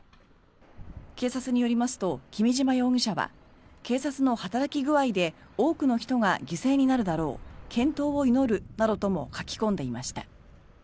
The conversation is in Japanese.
警察によりますと君島容疑者は警察の働き具合で多くの人が犠牲になるだろう健闘を祈るなどとも書き込んでいました。